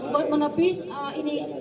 buat menepis ini